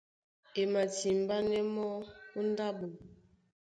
E matimbánɛ́ mɔ́ ó ndáɓo.